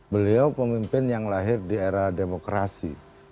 beliau pemimpin yang lahir di era demokrasi